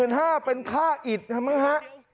๑๕๐๐๐บาทเป็นค่าอิดครับมั้ยฮะ